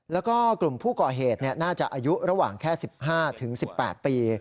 แล้วก็กลุ่มผู้ก่อเหตุน่าจะอายุระหว่างแค่๑๕๑๘ปี